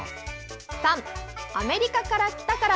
３、アメリカから来たから。